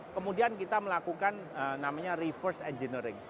kemudian kita melakukan namanya reverse engineering